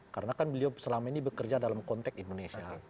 karena kan beliau selama ini bekerja dalam konteks indonesia